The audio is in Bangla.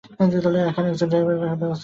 এখন একজন ড্রাইভার ব্যবস্থা করে দিতে পারবেন?